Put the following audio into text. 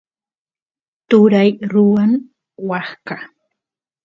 turay ruwan waska